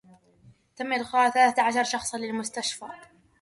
تم ادخال ثلاثة عشر شخصاً للمشفى.